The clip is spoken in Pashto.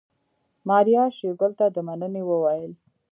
ماريا شېرګل ته د مننې وويل.